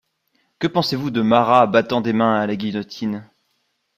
Que pensez-vous de Marat battant des mains à la guillotine?